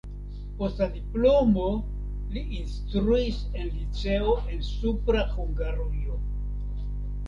Post la diplomo li instruis en liceo en Supra Hungarujo.